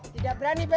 tidak berani be